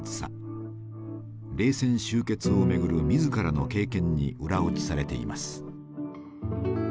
冷戦終結をめぐる自らの経験に裏打ちされています。